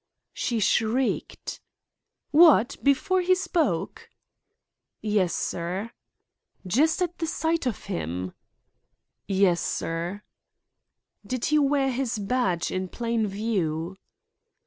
"She shrieked." "What! before he spoke?" "Yes, sir." "Just at sight of him?" "Yes, sir." "Did he wear his badge in plain view?"